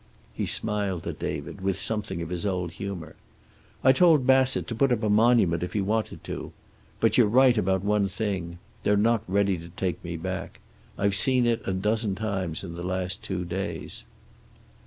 He smiled at David with something of his old humor. "I told Bassett to put up a monument if he wanted to. But you're right about one thing. They're not ready to take me back. I've seen it a dozen times in the last two days."